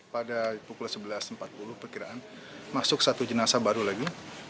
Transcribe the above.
pada pukul sebelas empat puluh perkiraan masuk satu jenazah baru lagi